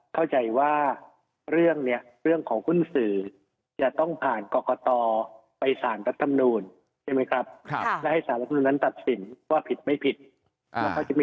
คือถ้าเราติดตามมาเนี่ย